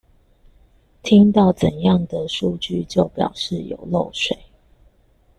聽到怎樣的數據就表示有漏水